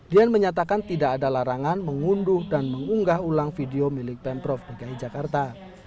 dian menyatakan tidak ada larangan mengunduh dan mengunggah ulang video milik pemprov dki jakarta